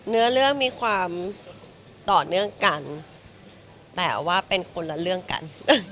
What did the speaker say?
เนื้อเรื่องมีความต่อเนื่องกันแต่ว่าเป็นคนละเรื่องกัน